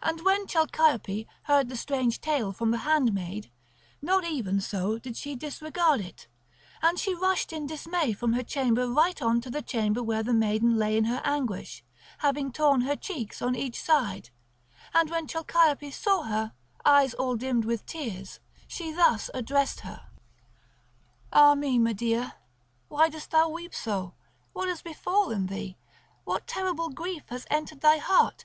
And when Chalciope heard the strange tale from the handmaid, not even so did she disregard it. And she rushed in dismay from her chamber right on to the chamber where the maiden lay in her anguish, having torn her cheeks on each side; and when Chalciope saw her eyes all dimmed with tears, she thus addressed her: "Ah me, Medea, why dost thou weep so? What hath befallen thee? What terrible grief has entered thy heart?